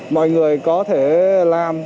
mọi người có thể làm